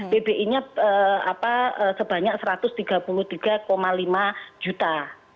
pbi nya sebanyak satu ratus tiga puluh tiga lima juta